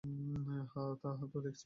হ্যাঁ, তা তো দেখছিই।